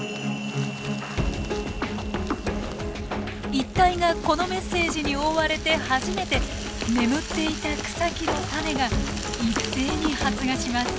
一帯がこのメッセージに覆われて初めて眠っていた草木の種が一斉に発芽します。